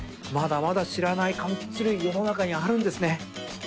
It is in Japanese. まだまだ知らないかんきつ類世の中にあるんですね。